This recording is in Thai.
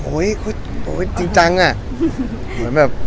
โอ้ยจริงจังอ่ะ